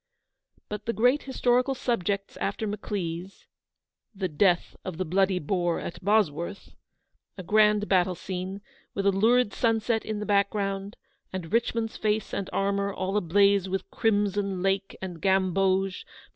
But the great historical subjects after Maclise —" The Death of the Bloody Boar at Boswort h," a grand battle scene, with a lurid sunset in the background, and Richmond's, face and armour all ablaze with crimson lake and gamboge, from MRS.